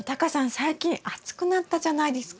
最近暑くなったじゃないですか。